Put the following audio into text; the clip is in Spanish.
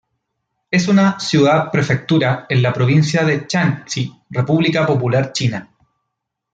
Es una ciudad-prefectura en la provincia de Shanxi, República Popular China.